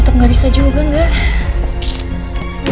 tetep gak bisa juga gak